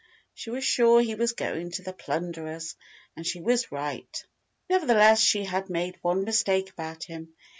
She was sure he was going to the "Plunderers," and she was right. Nevertheless, she had made one mistake about him.